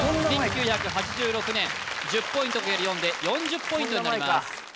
４１９８６年１０ポイント×４で４０ポイントになります